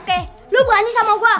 oke lu berani sama gua